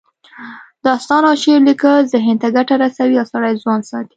داستان او شعر لیکل ذهن ته ګټه رسوي او سړی ځوان ساتي